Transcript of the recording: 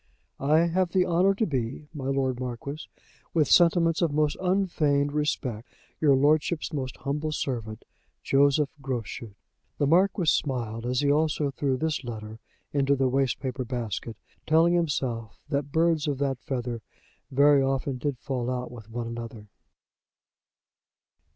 "I have the honour to be, "My Lord Marquis, "With sentiments of most unfeigned respect, "Your Lordship's most humble servant, "JOSEPH GROSCHUT." The Marquis smiled as he also threw this letter into the waste paper basket, telling himself that birds of that feather very often did fall out with one another.